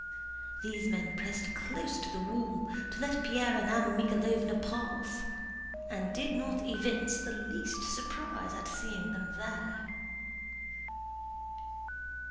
These men pressed close to the wall to let Pierre and Anna Mikháylovna pass and did not evince the least surprise at seeing them there.